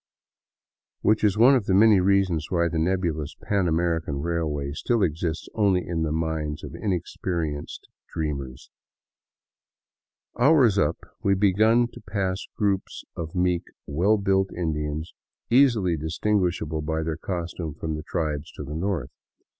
Which is one of the many reasons why the nebulous " Pan American Railway " still exists only in the minds of inexperienced dreamers. Hours up, we began to pass groups of meek, well built Indians, easily distinguishable by their costume from the tribes to the north.